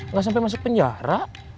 gak sampai masuk penjara